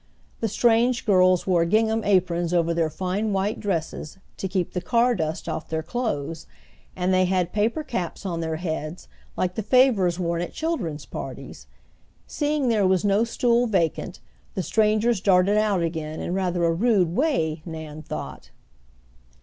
The strange girls wore gingham aprons over their fine white dresses, to keep the car dust off their clothes, and they had paper caps on their heads like the favors worn at children's parties. Seeing there was no stool vacant the strangers darted out again in rather a rude way, Nan thought.